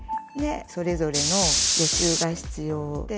それぞれの予習が必要で。